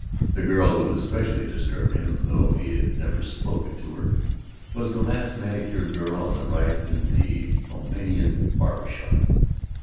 The girl who especially disturbed him though he had never spoken to her was the last manicure girl on the right in the Pompeian Barber Shop.